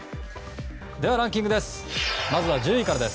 では、ランキングです。